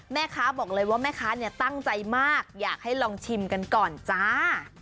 แม่ค้าบอกเลยว่าแม่ค้าเนี่ยตั้งใจมากอยากให้ลองชิมกันก่อนจ้า